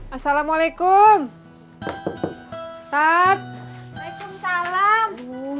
assalamualaikum tat salam